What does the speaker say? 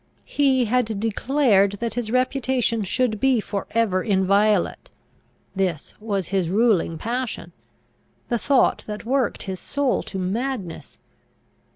He had declared that his reputation should be for ever inviolate; this was his ruling passion, the thought that worked his soul to madness.